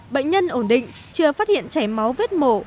bệnh nhân ổn định chưa phát hiện chảy máu vết mổ